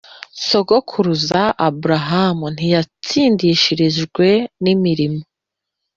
sogokuruza Aburahamu ntiyatsindishirijwe n’imirimo,